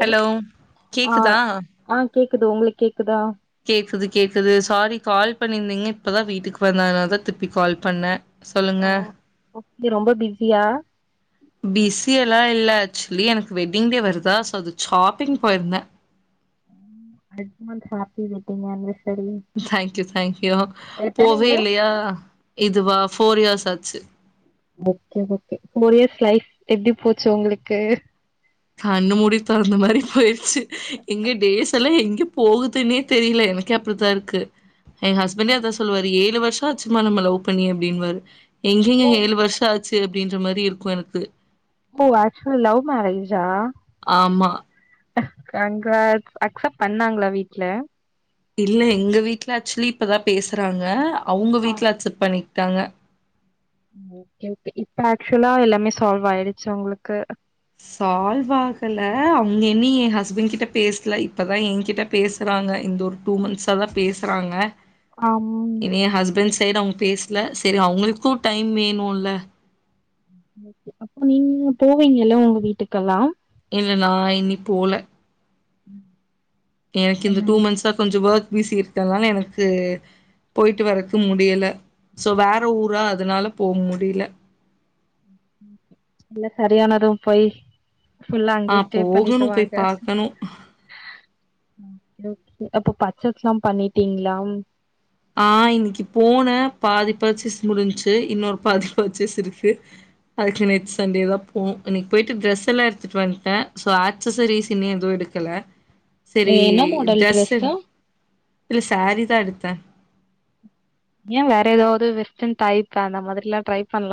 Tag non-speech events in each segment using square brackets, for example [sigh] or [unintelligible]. Hello கேக்குதா குது உங்ளுக்கு கேக்குதா கேக்குது கேக்குது சாரி கால் பண்ணிந்தீங்க இப்பதா வீட்டுக்கு வந்த அதுனால தான் திருப்பி கால் பண்ணே சொல்லுங்க எ ரொம்ப பிஸியா பிஸி எல்லா இல்ல ஆக்சுவலி எனக்கு வெட்டிங் டே வருதா சோ அது ஷாப்பிங் போயிருந்தே அட்வான்ஸ் ஹாப்பி வெட்டீங் ஆன்வ தேங்க்யூ தேங்க்யூ எத்தன போவே இயர் இல்லையா இதுவா ஃபோர் இயர்ஸ் ஆச்சு okay okay four years life எப்படி போச்சு உங்களுக்கு கண்ணு மூடி தொறந்த மாரி போயிர்ச்சு எங்க டேஸ் எல்லா எங் [unintelligible] போகுதுனே தெரியல எனக்கே அபுத்தா இருக்கு எங்க ஹஸ்பண்டே அதா சொல்லுவாரு ஏழு வருஷ ஆச்சும்மா நம்ம லவ் பண்ணி அப்டின்னுவாரு எங்கிங்கே ஓ எளு வர்ஷ ஆ சு அப்டின்ற மாரி இருக்கோ எனக்கு ஓ ஆக்சவலி லவ் மேரேஜ்ஜா ஆமா கங்ராட்ஸ் அக்சப் பண்ணாங்களா வீட்ல இல்ல எங்க வீட்ல ஆக்சுவலி இப்பதா பேசுறாங்க அவங்க ஆ வீட்ல அக்சப் பண்ணி தாங்கா ஓகே ஓகே இப்ப ஆக்சுவலா எல்லாமே சால்வ் ஆயிடுச்சு அவங்ளுக்கு சால்வாகல அவங்க என்னி ஹஸ்பண்ட் கிட்ட பேசல இப்பதா என்கிட்ட பேசுறாங்க இந்து ஒரு டூ மந்த்ஸா தா பேசுறாங்க ஆம் இனி [unintelligible] பேசல சரி அவங்களுக்கோ டைம் வேணுல்ல ஓகே அப்போ நீங்கலு போவீங்கலோ வீட்டுக்கெல்லாம் இல்ல நா இனி போல உம் எனக்கு இந்த டூ மந்ஸ் தா கொஞ்ச வொர்க் விசி இருக்கதுனால எனக்கு போயி்ட்டு வரக்க முடியல சோ வேற ஊரா அதனால போ முடில இல்ல சரியான ரூம் போய் ஃபுல்லா ஆ அங்கயே ஸ்டே பண்ணிட்டு போகணும் வாங்க போய் பார்க்கணும். [unintelligible] அப்ப பச்சஸ் லா பண்ணிடீங்ளா ஆஹ் இன்னிக்கு போன பாதி பர்சஸ் முடிஞ்சு இன்னொரு பாதி பர்சஸ் இருக்கு அதுக்கு நெக்ஸ்ட் சண்டேதா ப் உம் இன்னைக்கு போய்ட்டு டிரஸ் எல்லாம் எடுத்துட்டு வன்ட்டே சோ ஆக்சஸரீஸ் இன்னு எதுவு எடுக் க்கல என்ன மாடல் ட்ரெஸ்ஸு இல்ல சாரிதா எடுத்தே ஏன் வேற ஏதாவது வெஸ்டர்ன் டைப் அந்த மாதிரி எல்லாம் ட்ரை பண்லா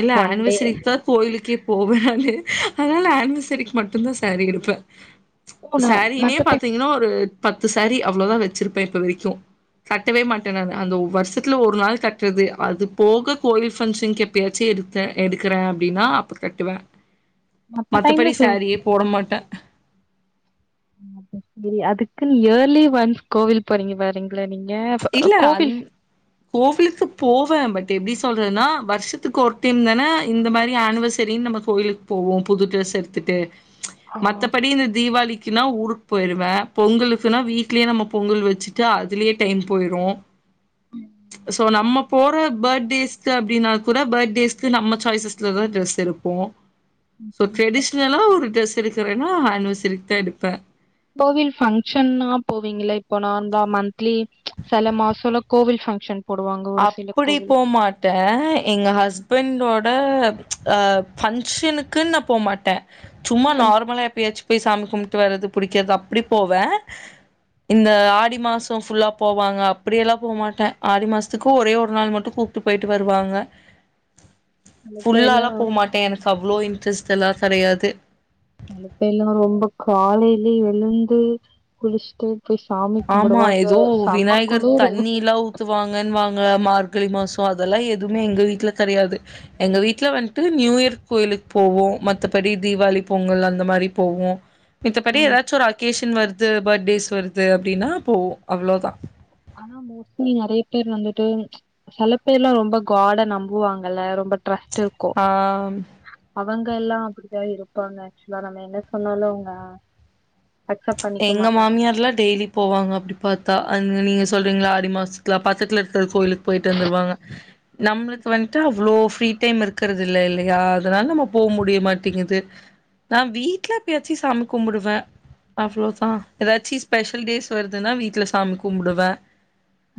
இல்ல ஆனிவர்சரிக்குதா கோயிலுக்கே போவே நானு அதனால ஆனிவர்சரிக்கு மட்டுந்தா சாரி எடுப்பே ஓ நா சாரின்னே மத்த டைம் பாத்தீங்கன்னா ஒரு பத்து சாரி அவ்ளோதா வச்சிருப்பே இப்ப வரைக்கு கட்டவே மாட்டே நானு அந்த வருஷத்துல ஒரு நாள் கட்றது அது போக கோயில் பங்க்ஷன்க்கு எப் ப்பயாச்சு எடுத்த எடுக்கறே அப்டின்னா அப்ப கட்டுவே மத்த டைம்ல மத்தபடி சு சாரீயே போட மாட்டே ம்ஹும் சரி அதுக்குன்னு இயர்லி ஒன்ஸ் கோவில் போறீங்க வரீங்ளே நீங் இல்ல அந் கோவிலுக்கு போவே பட் எப்டி சொல்றதுன்னா வருஷத்துக்கு ஒரு டைம்தான இந்த மாரி ஆனிவர்சரின்னு நம்ம கோயிலுக்கு போவோ புது ட்ரெஸ் எடுத்துட்டு ஆ மத்தபடி இந்த தீபாவளிக் ச்குனா ஊருக்கு போயிருவே பொங்கலுக்குனா வீட்லயே நம்ம பொங்கல் வச்சுட்டு அதுலயே டைம் போயிரு சோ நம்ம போற பர்த்டேஸ்க்கு அப்டின்னா கூட பர்த்டேஸ்கு நம்ம சாய்சஸ்லதா டரஸ் எடுப்போ சோ ட்ரெடிஷனலா ஒரு டிரஸ் எடுக்குறேன்னா அனிவர்சரிக்குதா எடுப்பே கோவில் பங்க்ஷன்னா போவீங்களா இப்போ நார்மலா மந்த்லி சில மாசம்ல கோவில் பங்க்ஷன் போடுவாங்க ஒரு அப்பிடி போமாட்டே எங்க ஹஸ்பண்டோட ட ஆ பங்க்ஷனுக்குன்னு நா போமாட்டே சும்மா ம் நார்மலா எப்பயாச்சு போய் சாமி கும்ப்ட்டு வரது பிடிக்கிறது அப்டி போவே இந்த ஆடி மாசோ ஃபுல்லா போவாங்க அப்டியெல்லா போ மாட்டே ஆடி மாசத் த்துக்கு ஒரே ஒரு நாள் மட்டு கூப்ட்டு போயிட்டு வருவாங்க அந்த பேர்லா ஃபுல்லாலா போமாட்டே எனக்கு அவ்ளோ இன்ட்ரெஸ்ட் தல்லா கெடையாது ந்து எழுந்து குளிச்ட்டு ஆமா ஏதோ விநாயகர் குளுரு தண்ணில்லா ஊத்துவாங்கன்னுவாங் ங்க மார்கழி மாசோ அதெல்லா எதுவுமே எங்க வீட்ல கெடையாது எங்க வீட்ல வன்ட்டு நியூ இயர் கோயிலுக்கு போவோ மத்தபடி தீபாவளி பொங்கல் அந்த மாரி போவோ மித்தபடி ம். ஏதாச்சு ஒரு அகேஷன் வருது பர்த்டேஸ் வருது து அப்டின்னா போவோ அவ்ளோதா ஆனா மோஸ்ட்லி நெறைய பேர் வந்துட்டு சில பேர்லா ரொம்ப காட நம்புவாங்கல்ல ரொம்ப ட்ரஸ்ட் இருக்கு ஆஹ் அவங்க எல்லா அப்பிடிதா இருப்பாங்க ஆக்சுவலா நம்ம என்ன சொன்னாலு அவங்க அக்செப்ட் பண்ணிக்க எங்க மாட்டாங்க மாமியார்லா டெய்லி போவாங்க அப்டி பாத்தா அத் ம் நீங்க சொல்றீங்கல்ல ஆடி மாசத்துல பக்கத்துல இருக்க கோயிலுக்கு போயிட்டு வந்துருவாங்க நம்மளுக்கு வந்துட்டு அவ்ளோ ஃப்ரீ டைம் இருக்கறது இல்ல இல்லையா அதனால நம்ம போக முடிய மாட்டேங்குது நா வீட்ல எப்பயாச்சி சாமி கும்பிடுவே அவ்ளோதா ஏதாச்சி ஸ்பெஷல் டேஸ் வருதுன்னா வீட்ல சாமி கும்பிடுவே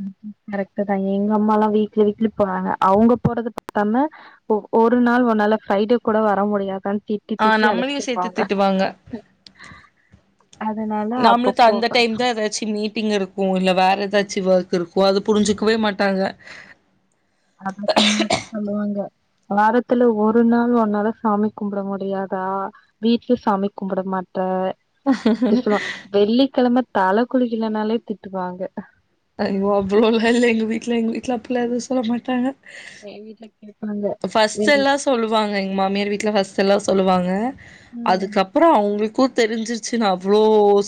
ம் ம் கரெக்ட்தா எங்க அம்மாலா வீக்லி வீக்லி போறாங்க அவங்க போறது பத்தாம ஒ ஒரு நாள் ஒன்னால ஃப்ரைடே கூட வர முடியாதான் ஆஹ் நம்மளையு சேத்து திட்டுவாங்க அதனால அப்ப நம்மளுக்கு த போவே அந்த டைம்தா ஏதாச்சு மீட் டிங் இருக்கு இல்ல வேற ஏதாச்சு வொர்க் இருக்கு அது புரிஞ்சிக்கவே மாட்டாங்க அத சொன்னாதா சொல்லுவாங்க வாரத்துல ஒரு நாள் ஒன்னால சாமி கும்பிட முடியாதா வீட்ல சாமி கும்பிட மாட் ட்ட ஆக்சுவலா வெள்ளிக்கிழம தல குளிக்கலனாலே திட்டுவாங்க ஐயோ அவ்ளோலா இல்ல எங்க வீட்ல எங்க வீட்ல அப்டிலா எதும் சொல்ல மாட்டாங்க ஏன் வீட்ல கேப்பாங்க ஃபர்ஸ்ட் வெள்ளி எல்லா சொல்லுவாங்க எங்க மாமியார் வீட்ல ஃபர்ஸ்ட் எல்லா சொ சொல்லுவாங்க ம் அதுக்கப்றோ அவங்களுக்குத் தெரிஞ்சிருச்சுன்னு அவ்ளோ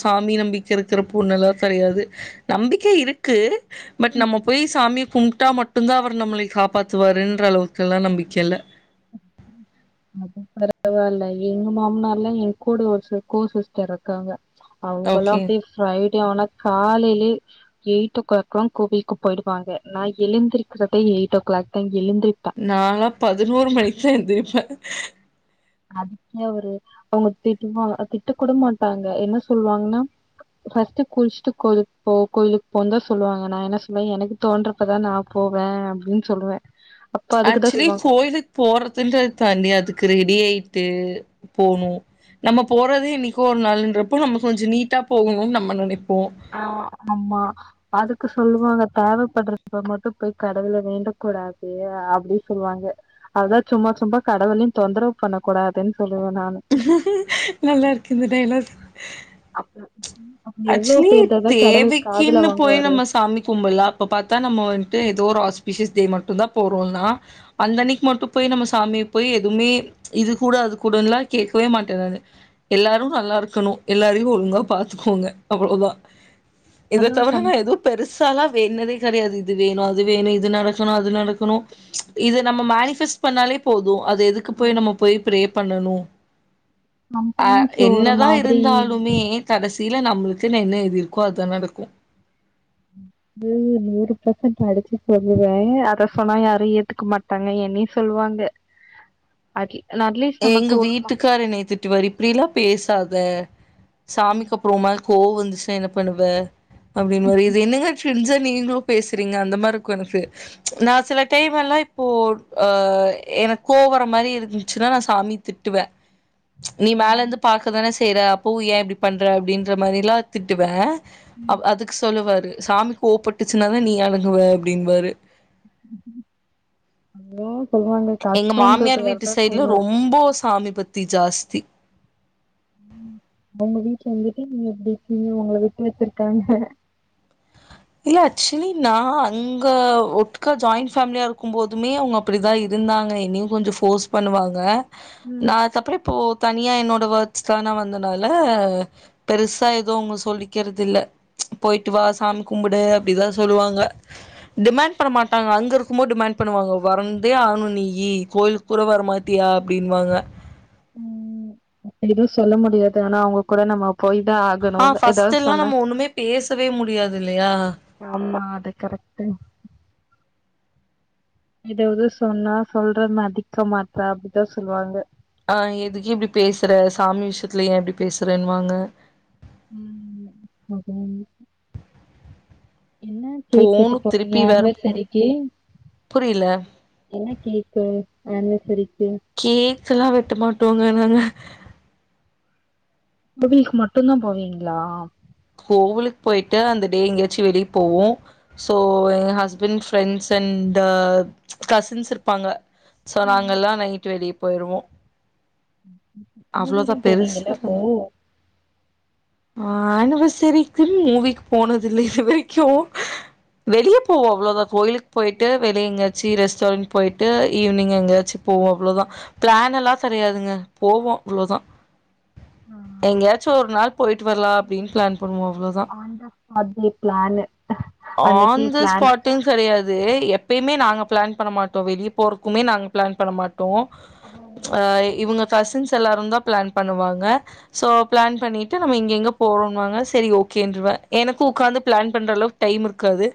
சாமி நம்பிக்க இருக்கிற பொண்ணெல்லா கெடையாது நம்பிக்கை இருக்கு பட் நம்ம போய் சாமிய கும்ப்ட்டா மட்டுந்தா அவர் நம்மளய காப்பாத்துவாருன்ற அளவுக் க்கெல்லா நம்பிக்கை இல்ல அது பரவால்ல எங்க மாமனார்லா என் கூட ஒரு ச கோ சிஸ்டர் இருக்காங்க அவங்கல்லா ஓகே. அப்டியே ஃப்ரை ட்டேனா காலைலயே எயிட் ஓ கிளாக்லா கோவிலுக்கு போயிடுவாங்க நான் எழுந்திருக்கிறதே எயிட் ஓ கிளாக்தா நால்லா பதினொ னோறு மணிக்குதா எந்திருப்பே அதுக்கே அவரு அவங்க திட்டுவாங்க திட்டக்கூட மாட்டாங்க என்ன சொல்வாங்ன்னா ஃபர்ஸ்ட் குளிச்சுட்டு கோயிலுக்கு போ கோயிலுக்கு போனுதா சொல்லுவாங்க நா என்ன சொல்லுவே எனக்கு தோன்றப்பதா நா போவே அப்டின்னு சொல்லுவே ஆக்சுவலி கோயிலுக்கு போறதுன்றத தாண்டி அதுக்கு ரெடி ஆயி ட்டு போணு நம்ம போறதே என்னைக்கோ ஒரு நாளுன்றப்போ நம்ம கொஞ்ச நீட்டா போகணும்னு நம்ம நெனைப் ஆஹ் ஆமா அதுக்கு சொல்லுவாங்க தேவப்படுறப்ப மட்டும் போய் கடவுள வேண்டக் கூடாது அப்டி சொல்வாங்க அதான் சும்மா சும்மா கடவுளையு தொந்தரவு பண்ணக்கூடாதுன்னு சொல் நல்லா இருக்கு இந்த டயலாக் ம் அப்டி எவ்ளோ [unintelligible] தேவைக்குன்னு போய் நம்ம சாமி கும்பட்லா அப்ப பாத்தா நம்ம ட்டு ஏதோ ஒரு ஆஸ்பிஷியஸ் இது மட்டும்தா போறோம்னா அந்த அன்னைக்கு மட்டு போய் நம்ம ச சாமிய போய் எதுவுமே இது குடு அது குடுன்லாம் கேககவே மாட்டே நானு எல்லாரு நல்லா இருக்கணு எல்லாரையு ஒழுங்கா பாத்துக்கோங்க அவ்ளோதா இத அதான் தவிர சம் நா எது பெரு ருசால்லா வேண்டுனதே கெடையாது இது வேணு அது வேணு இது நடக்கணு அது நடக்கணு இது நம்ம மேனிஃபெஸ்ட் பண்ணாலே போது அது எதுக்கு போய் நம்ம போய் ப்ரே பண்ணணு அஹ் சம்டைம்ஸ் ஒரு என்னதா மாதிரி இருந்தாலுமே கடைசி ல்ல நம்லு த்தில என்ன எழுதிருக்கோ அதா நடக்கு அது நூறு பர்சன்ட் அடிச்சு சொல்லுவே அத சொன்னா யாரு ஏத்துக்க மாட்டாங்க என்னைய சொல்லுவாங்க [unintelligible] எங்க நமக்கு ஒரு மா வீட்டுக்காரு என்னய திட்டுவாரு இப்டிலா பேசா த சாமிக்கு ம். அப்றமா கோவோ வந்துச்சுன்னா என்ன பண்ணுவ அப்டின்னுவாரு இது என்னங்க தெரிஞ்சே நீங்களு பேசுறீங்க அந்த மாரி இருக்கு எனக்கு நா சில டைம்மெல்லா இப்போ ஆ எனக்கு கோவோ வர மாரி இருந் ச்சுனா நா சாமிய திட்டுவே நீ மேல ம். இருந்து பாக்கதான செ செய்ற அப்பவு ஏன் இப்டி பண்ற அப்டின்ற மாரிலா திட்டுவே அ அதுக்கு சொல்லுவாரு ட்டு சாமிக்கு கோவப்பட்டுச்சுன்னாதா நீ அடங்குவ அப்டின்னுவாரு ஹலோ எங்க மாமியார் வீட்டு சைடுல ரொம்போ சாமி பத் க்தி ஜாஸ்தி ம் அவங்க வீட்ல வந்துட்டு நீங்க இப்டி இருக்கீங்க உங்கள விட்டு வெச்சிருக்காங்க இல்ல ஆக்சுவலி நா அங்க ஒட்கா ஜாயிண்ட் ஃபேமிலியாயிருக்கும் போதுமே அவங்க அப்டிதா இருந்தாங்க என்னயு கொஞ்சோ ஃபோர்ஸ் பண்ணுவாங்க ம். நா அதுக்கப்புறோ இப்போ தனியா என்னோட ஒர்க்ஸ்க்காக நா வந்தனால பெருசா எதுவு அவங்க சொல்லிக்கிறது இல்ல போயிட்டு வா சாமி கும்புடு அப்டிலா சொல்லுவாங்க டிமாண்ட் பண்ண மாட்டாங்க அங்க இருக்கும்போது டிமாண்ட் பண்ணுவாங்க வந்தே ஆகணு நீயி கோயிலுக்கு கூட வரமாட்டியா அப்டின்னுவாங்க எதும் சொல்ல முடியாது ஆனா அவங்க கூட நம்ம போயிதா ஆகணு ஆ ஃபர்ஸ்ட் எதாவது எல்லா சொன்னா நம்ம ஒண்ணுமே பேசவே முடியாது இல்லையா ஆமா அது கரெக்ட்டு எதாவது சொன்னா சொல்றத மதிக்க மாட்றா அப்டிதா சொல்வாங்க ஆஹ் எதுக்கு இப்டி பேசுற சாமி விஷியத்துல ஏன் இப்டி பேசுறேன்னுவாங்க உம் அதா [unintelligible] என்ன கேக் வெட்ட போணு போறீங்க திருப்பி வேற போணு ஆன்வர்சரிக்கு புரியல என்ன கேக்கு ஆன்வர்சரி கேக்கல்லா வெட்ட மாட்டோங்க நாங்க கோவிலுக்கு மட்டு்ம்தா போவீங்களா கோவிலுக்கு போயிட்டு அந்த டே எங்கேயாச்சு வெளிய போவோ சோ ஏன் ஹஸ்பண்ட் ஃப்ரெண்ட்ஸ் அண்ட் கசின்ஸ் இருப்பாங்க சோ நாங்கல்லா நைட் வெளிய போயிருவோ மூவி எல்லா அவ்ளோதா போவீங்கல்ல அப்போ ஆனா வர்சரிக்குனு மூவிக்கு போனது இல்ல இது வரைக்கு வெளிய போவோ அவ்ளோதா கோயிலுக்கு போயிட்டு வெளிய எங்கயாச்சி ரெஸ்டாரண்ட் போயிட்டு ஈவினிங் எங்கயாச்சு போவோ அவ்ளோதா பிளான் எல்லா கெடையாதுங்க போவோ அவ்ளோதா எங்கயாச்சு ஒரு நாள் போயிட்டு வரலா அப்டின்னு பிளான் பண்ணுவோ அவ்ளோதா ஆன் த ஸ்பாட்லயே பிளானு அன்னைக்கி பிளான் து எப்பயுமே நாங்க பிளான் பண்ண மாட்டோ வெளியே போறக்குமே நாங்க பிளான் பண்ண மாட் ட்டு அஹ் இவங்க கசின்ஸ் எல்லாரும்தா பிளான் பண்ணுவாங்க சோ பிளான் பண்ணிட்டு நம்ம இங்கங்க போறோன்னுவாங்க செரி ஓகேன்றுவே எனக்கும் உக்காந்து பிளான் பண்ற அளவுக்கு டைம் இருக்காது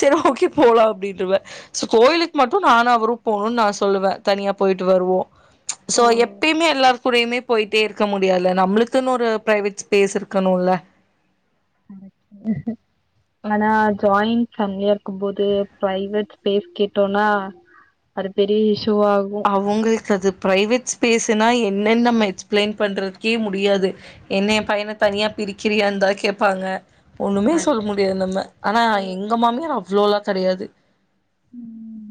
செரி ஓகே போலா அப்டின்ட்ருவே சோ கோயிலுக்கு மட்டு நானும் அவரும் போகணுன்னு நா சொல்லுவே தனியா போயிட்டு வருவோ சோ எப்பயுமே எல்லாருக் க்கூடயுமே போயிட்டே இருக்க முடியாதில்ல நம்மளுக்குன்னு ஒரு பிரைவேட் ஸ்பேஸ் இருக்கணும்ல கரெக்டு ஆனா ஜாயிண்ட் ஃபேமிலியா இருக்கும்போது பிரைவேட் ஸ்பேஸ் கேட்டோம்னா அது பெரிய இஷ் அவங்களுக்கு அது பிரைவேட் ஸ்பேஸ்னா என்னென்ன நம்ம எக்ஸ்பிளைன் பண்றதுக்கே முடியாது என்ன என் பையன தனியா பிரிக்கிறியாந்தா கேப்பாங்க ஒண்ணுமே சொல்ல அது முடியாது நம்ம ஆனா எங்க மாமியார் அப் அவ்ளோலா கெடையாது உம்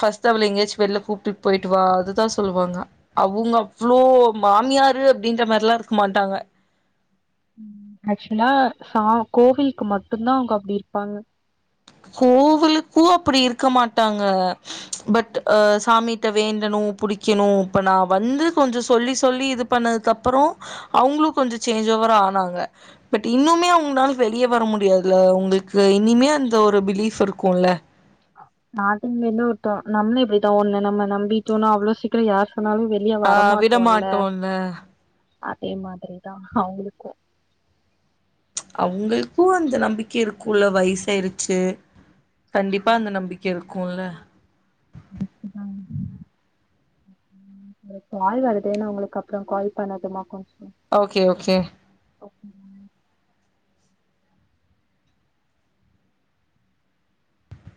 ஃபர்ஸ்ட் அவள எங்கயாச்சு வெள்ள கூப் ட்டுக்கு போயிட்டு வா அதுதா சொல்லுவாங்க அவங்க அவ்ளோ மாமியாரு அப்டின்ற மாரிலா இருக்க மாட்டாங்க ம் ஆக்சுவலா ச கோவிலுக்கு மட்டும்தா அவங்க அப்டி இருப்பாங்க கோவிலுக்கு அப்பிடி இருக்க மாட்டாங்க பட் ஆ சாமி ட்ட வேண்டணு புடிக்கணு இப்ப நா வந்து கொஞ்சோ சொல்லி சொல்லி இது பண்ணதுக்கு அப்புறோ அவங்களும் கொஞ்ச சேஞ்ச் ஓவர் ஆனாங்க பட் இன்னுமே அவங்களால வெளிய வர முடியாதுல்ல உங்களுக்கு இனிமே அந் அந்த ஒரு பிலிஃப் இருக்கும்ல நாட்டுங்கையில விட்டோ நம்மளு இப்டித்தா ஒண்ண நம்ம நம்பிட்டோன்னா அவ்ளோ சீக்கிர யார் சொன்னாலு வெளிய ஆஹ் வரமாட்டோல்ல விடமாட்டோம்ல அதே மாதிரிதா அவங்களுக்கு அவங்களுக்கு அந்த நம்பிக்கை இருக்கும்ல வயசாயிருச்சு கண்டிப்பா அந்த நம்பிக்கை இருக் க்கும்ல [inaudible] கால் வருதுேன்னு உங்களுக்கு அப்புறம் கால் பண்ணட்டுமா கொஞ்சம் ஓகே ஓகே ஓகே